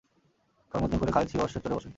করমর্দন করে খালিদ স্বীয় অশ্বে চড়ে বসেন।